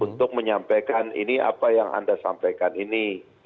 untuk menyampaikan ini apa yang anda sampaikan ini